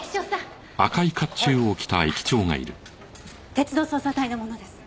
鉄道捜査隊の者です。